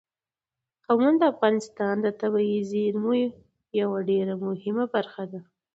قومونه د افغانستان د طبیعي زیرمو یوه ډېره مهمه برخه ده.